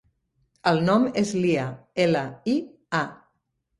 El nom és Lia: ela, i, a.